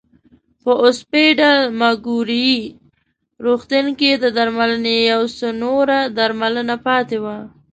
په اوسپیډل مګوري روغتون کې د درملنې یو څه نوره درملنه پاتې وه.